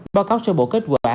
báo cáo sơ bộ kết quả